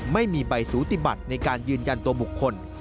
ไม่มีใบสูติบัติในการยืนยันตัวบุคคล